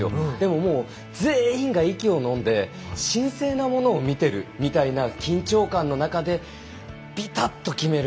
ただ全員が息をのんで神聖なものを見ているみたいな緊張感の中でビタッと決める。